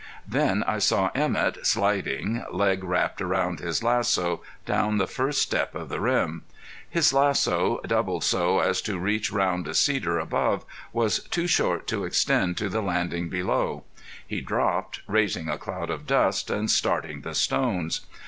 Then I saw Emett sliding, leg wrapped around his lasso, down the first step of the rim. His lasso, doubled so as to reach round a cedar above, was too short to extend to the landing below. He dropped, raising a cloud of dust, and starting the stones.